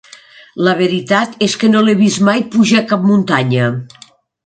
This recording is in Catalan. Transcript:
La veritat és que no l'he vist mai pujar cap muntanya.